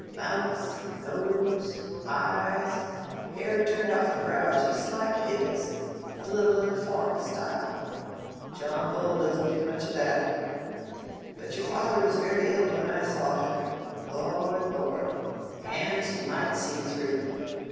mouth—nose—eyes—hair turned off your brow just like his—a little in the foreign style. John Bull doesn't do much of that. But your father was very ill when I saw him. Lord, lord! hands you might see through.